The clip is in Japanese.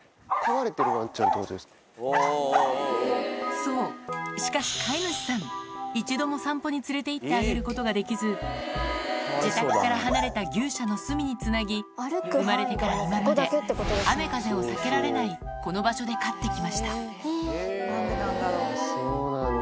そうしかし飼い主さん一度も散歩に連れて行ってあげることができず自宅から離れた牛舎の隅につなぎ生まれてから今まで雨風を避けられないこの場所で飼って来ましたあそうなんだ。